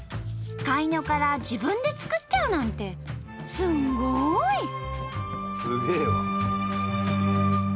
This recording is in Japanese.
カイニョから自分で作っちゃうなんてすんごい！